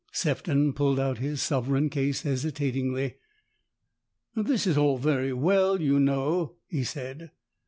Sefton pulled out his sovereign case hesitatingly. " This is all very well, you know," he said.